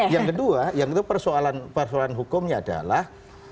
yang kedua yang itu persoalan hukumnya adalah